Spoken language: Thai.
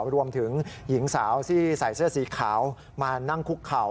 รวมถึงหญิงสาวที่ใส่เสื้อสีขาวมานั่งคุกเข่า